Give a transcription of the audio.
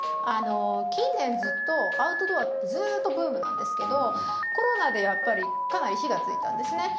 近年ずっとアウトドアってずっとブームなんですけどコロナで、かなり火がついたんですね。